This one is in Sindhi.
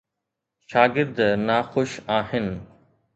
شاگرد ناخوش آهن.